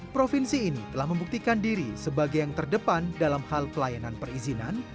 provinsi ini telah membuktikan diri sebagai yang terdepan dalam hal pelayanan perizinan